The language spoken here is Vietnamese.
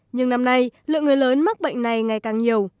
nhưng năm nay lượng người lớn mắc bệnh này ngày càng nhiều